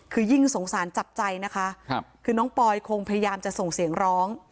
คือยิ่งสงสารจับใจนะคะคือน้องปอยคงพยายามจะส่งเสียงร้อง